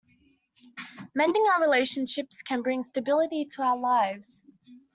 Mending our relationships can bring stability to our lives.